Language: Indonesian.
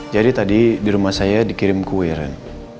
jadi tadi di rumah saya dikirim kue ren